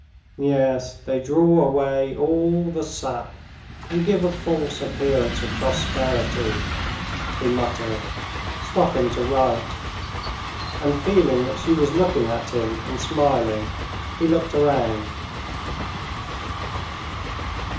"Yes, they draw away all the sap and give a false appearance of prosperity," he muttered, stopping to write, and, feeling that she was looking at him and smiling, he looked round.